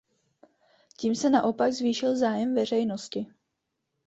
Tím se naopak zvýšil zájem veřejnosti.